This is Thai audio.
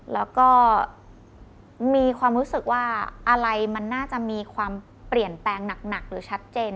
แล้วก็มีความรู้สึกว่าอะไรมันน่าจะมีความเปลี่ยนแปลงหนักหรือชัดเจน